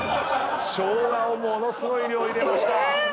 しょうがをものすごい量入れました！